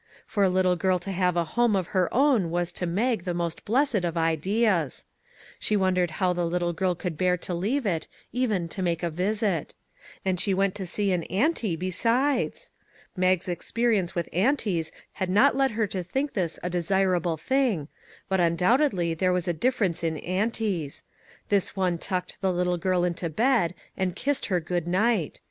For a little girl to have a home of her own was to Mag the most blessed of ideas. She wondered how the little girl could bear to leave it, even to make a visit. And she went to see an auntie, besides! Mag's experience with aunties had not led her to think this a desirable thing, but undoubtedly there was a difference in aunties; this one tucked the little girl into bed, and kissed her good night!